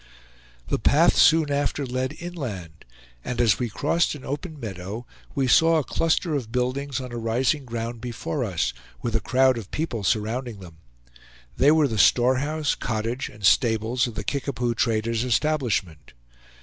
The path soon after led inland; and as we crossed an open meadow we saw a cluster of buildings on a rising ground before us, with a crowd of people surrounding them. They were the storehouse, cottage, and stables of the Kickapoo trader's establishment.